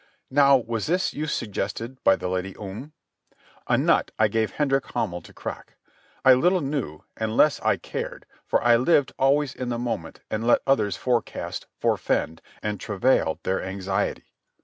Now was this use suggested by the Lady Om?—a nut I gave Hendrik Hamel to crack. I little knew, and less I cared, for I lived always in the moment and let others forecast, forfend, and travail their anxiety.